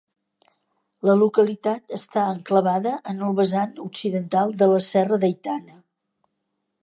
La localitat està enclavada en el vessant occidental de la Serra d'Aitana.